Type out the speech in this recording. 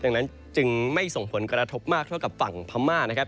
ดังนั้นจึงไม่ส่งผลกระทบมากเท่ากับฝั่งพม่านะครับ